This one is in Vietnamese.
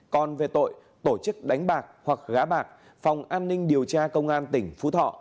còn về tội tổ chức đánh bạc hoặc gã bạc phòng an ninh điều tra công an tỉnh phú thọ